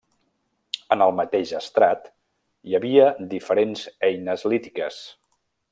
En el mateix estrat hi havia diferents eines lítiques.